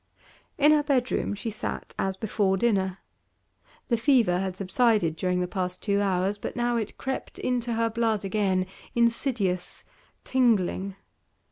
In her bedroom she sat as before dinner. The fever had subsided during the past two hours, but now it crept into her blood again, insidious, tingling.